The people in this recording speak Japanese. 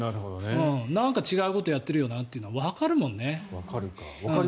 なんか違うことやってるよなってことはわかるもんね。